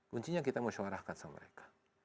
kuncinya kita musyawarahkan sama mereka